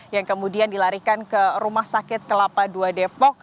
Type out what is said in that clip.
yang kemudian dilarikan ke rumah sakit kelapa dua depok